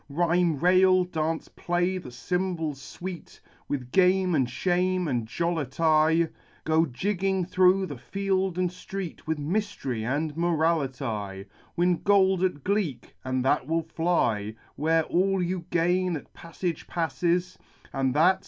Rhyme, rail, dance, play the cymbals sweet, With game, and shame, and jollity, Go jigging through the field and street. With inysfry and morality ; Win gold z.\. gleek, — and that will fly, Where all you gain zX passage passes, — And that's